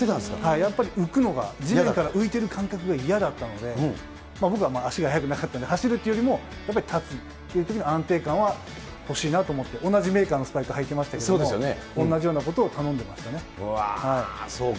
やっぱり浮くのが、地面から浮いてる感覚が嫌だったので、僕は足が速くなかったので、走るっていうよりも、やっぱり立つというときの安定感は欲しいなと思って、同じメーカーのスパイク履いてましたけれども、同じようなことをうわー、そうか。